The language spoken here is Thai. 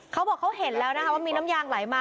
เขาบอกเขาเห็นแล้วนะคะว่ามีน้ำยางไหลมา